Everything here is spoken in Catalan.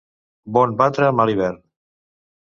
Bon batre, mal hivern.